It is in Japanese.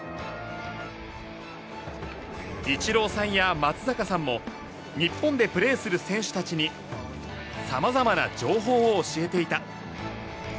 イチローさんや松坂さんも日本でプレーする選手たちにさまざまな情報を教えていた。